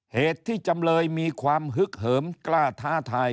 เหตุที่จำเลยมีความฮึกเหิมกล้าท้าทาย